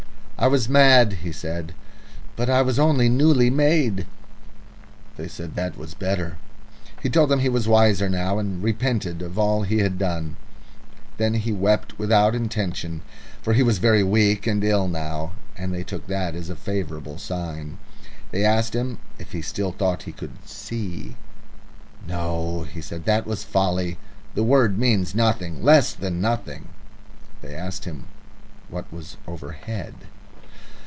"I was mad," he said. "But I was only newly made." They said that was better. He told them he was wiser now, and repented of all he had done. Then he wept without intention, for he was very weak and ill now, and they took that as a favourable sign. They asked him if he still thought he could "see" "No," he said. "That was folly. The word means nothing less than nothing!" They asked him what was overhead.